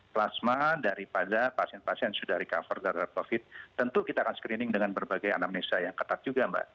pasien sudah recover dari covid tentu kita akan screening dengan berbagai anamnesia yang ketat juga mbak